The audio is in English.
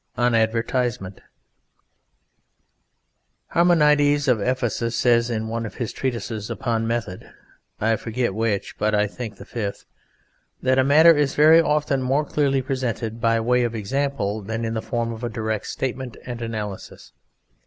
ON ADVERTISEMENT Harmonides of Ephesus says in one of his treatises upon method (I forget which, but I think the fifth) that a matter is very often more clearly presented by way of example than in the form of a direct statement and analysis.